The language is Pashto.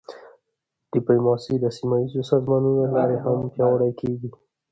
ډیپلوماسي د سیمهییزو سازمانونو له لارې هم پیاوړې کېږي.